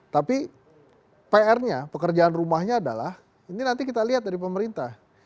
tapi pr nya pekerjaan rumahnya adalah ini nanti kita lihat dari pemerintah